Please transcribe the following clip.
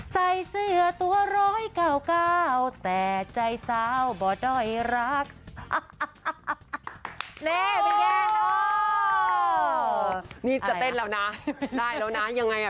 จริงเชิดคือจะเต้นแล้วนะได้แล้วนะยังไงอ่ะพี่ตายเข้าไปยังไงโอ้โห